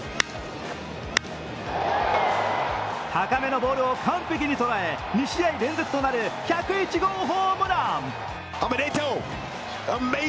高めのボールを完璧に捉え２試合連続となる１０１号ホームラン。